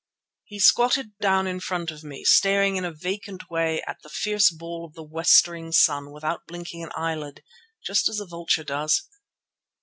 He squatted down in front of me, staring in a vacant way at the fierce ball of the westering sun without blinking an eyelid, just as a vulture does.